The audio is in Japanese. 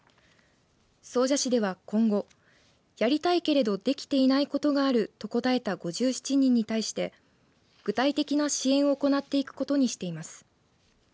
総社市では、今後やりたいけれどできていないことがあると答えた５７人に対して具体的な支援を行っていくことにしています。